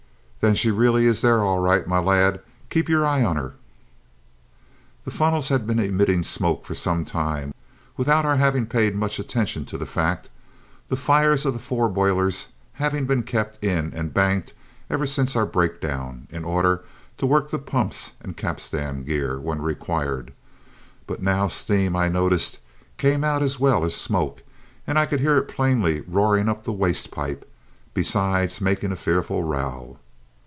"Then she really is there all right, my lad. Keep your eye on her." The funnels had been emitting smoke for some time without our having paid much attention to the fact, the fires of the fore boilers having been kept in and banked ever since our breakdown, in order to work the pumps and capstan gear when required; but now steam, I noticed, came out as well as smoke, and I could hear it plainly roaring up the waste pipe, besides making a fearful row.